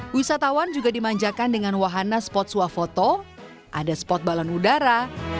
wisatawan juga dimanjakan dengan wahana spot suah foto ada spot balon udara